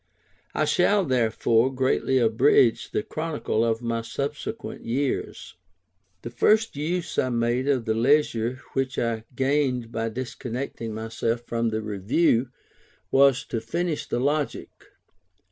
I shall, therefore, greatly abridge the chronicle of my subsequent years. The first use I made of the leisure which I gained by disconnecting myself from the Review, was to finish the Logic.